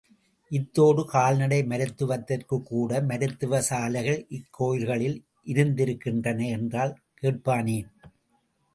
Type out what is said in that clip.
இதோடு, கால்நடை மருத்துவத்திற்கு கூட மருத்துவ சாலைகள் இக்கோயில்களில் இருந்திருக்கின்றன என்றால் கேட்பானேன்.